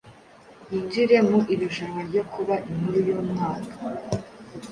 yinjire mu irushanwa ryo kuba inkuru y’umwaka.